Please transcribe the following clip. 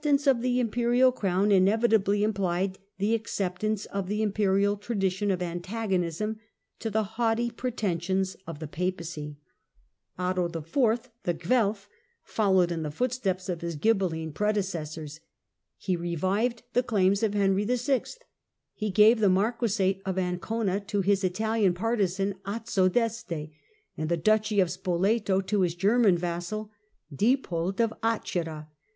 ^"^ Til , at Rome, of the imperial crown inevitably implied the acceptance 1209 of the imperial tradition of antagonism to the haughty pretensions of the Papacy. Otto IV., the Guelf, followed 182 THE CENTRAL PERIOD OF THE MIDDLE AGE in the footsteps of his Ghibeline predecessors. He revived the claims of Henry VI. He gave the marquisate of Ancona to his Italian partisan Azzo d'Este, and the duchy of Spoleto to his German vassal Diepold of Acerra.